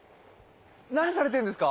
何されてるんですか？